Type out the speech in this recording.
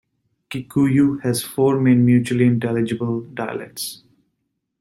Kikuyu has four main mutually intelligible dialects.